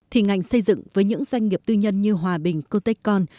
thì ngành xây dựng với những doanh nghiệp tư nhân như hòa bình cotecon